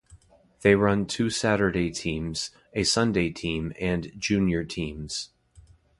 They run two Saturday teams, a Sunday team and junior teams.